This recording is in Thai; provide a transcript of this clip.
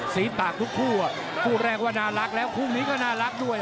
สีปากทุกคู่คู่แรกว่าน่ารักแล้วคู่นี้ก็น่ารักด้วย